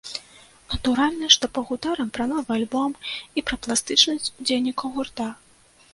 Натуральна, што пагутарым пра новы альбом і пра пластычнасць удзельнікаў гурта.